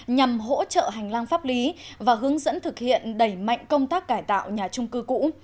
nhằm hỗ trợ hành lang pháp lý và hướng dẫn thực hiện đẩy mạnh công tác cải tạo nhà trung cư cũ